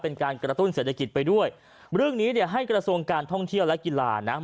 เป็นการกระตุ้นเศรษฐกิจไปด้วยเรื่องนี้เนี่ยให้กระทรวงการท่องเที่ยวและกีฬานะ